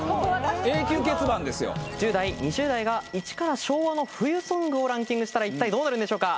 １０代２０代がイチから昭和の冬ソングをランキングしたら一体どうなるんでしょうか？